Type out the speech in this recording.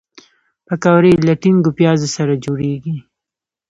پکورې له ټینګو پیازو سره جوړیږي